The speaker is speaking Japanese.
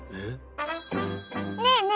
ねえねえ